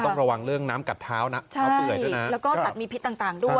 ต้องระวังเรื่องน้ำกัดเท้านะใช่แล้วก็สัตว์มีพิษต่างต่างด้วย